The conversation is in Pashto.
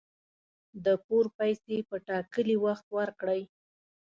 د پور پیسي په ټاکلي وخت ورکړئ